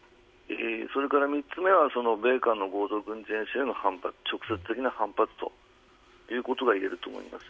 それから３つ目は米韓の合同軍事演習への直接的な反発ということが言えると思います。